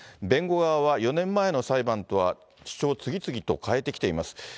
弁護側は４年前の裁判とは主張を次々と変えてきています。